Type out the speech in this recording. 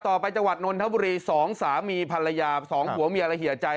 ต่อไปจังหวัดนนทบุรีสองสามีภรรยาสองผัวเมียและเหยียใจ